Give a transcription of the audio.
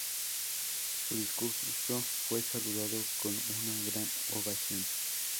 Su discurso fue saludado con una gran ovación.